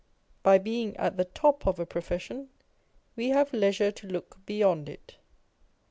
By being at the top of a profession, we have leisure to look beyond it.